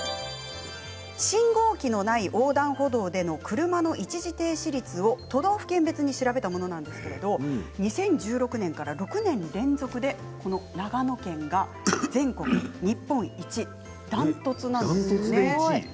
信号機のない横断歩道での車の一時停止率を都道府県別に調べたものなんですけれども２０１６年から６年連続で長野県が全国日本一断トツなんですね。